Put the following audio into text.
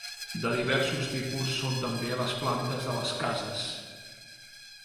De diversos tipus són també les plantes de les cases.